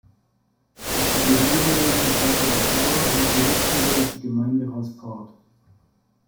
Auf der gegenüberliegenden Seite der Sauer liegt die luxemburgische Gemeinde Rosport.